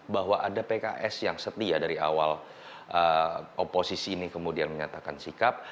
bahwa ada pks yang setia dari awal oposisi ini kemudian menyatakan sikap